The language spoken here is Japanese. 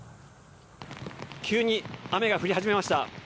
急に雨が降り始めました。